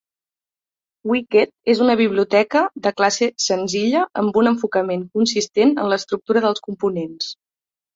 Wicket és una biblioteca de classe senzilla amb un enfocament consistent en l'estructura dels components.